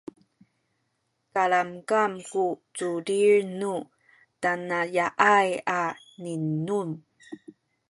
kalamkam ku culil nu tanaya’ay a zinum